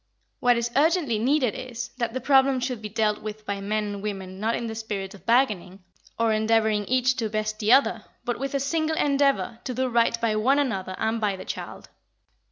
What is urgently needed is, that the problem should be dealt with by men and women not in the spirit of bargaining, or endeavouring each to best the other, but with a single endeavour to do right by one another and by the child.